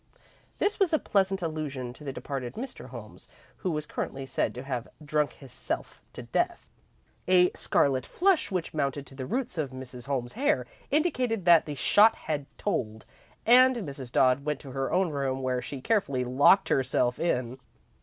This was a pleasant allusion to the departed Mr. Holmes, who was currently said to have "drunk hisself to death." A scarlet flush, which mounted to the roots of Mrs. Holmes's hair, indicated that the shot had told, and Mrs. Dodd went to her own room, where she carefully locked herself in.